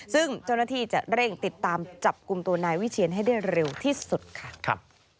ซึ่งเจ้าหน้าที่จะเร่งติดตามจับกลุ่มตัวนายวิเชียนให้ได้เร็วที่สุดค่ะ